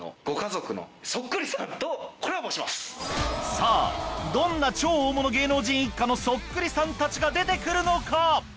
さぁどんな超大物芸能人一家のそっくりさんたちが出て来るのか？